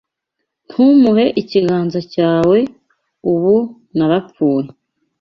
Ntumuhe ikiganza cyawe, ubu narapfuye